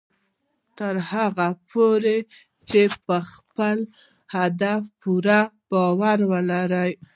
تر هغه پورې چې په خپل هدف پوره باور لرئ